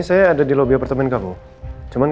sponsor ketemu di pasok bukit semangat nuestros